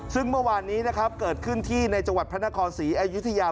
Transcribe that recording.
ซึ่งเมื่อวานนี้นะครับเกิดขึ้นที่ในจังหวัดพระนครศรีอยุธยา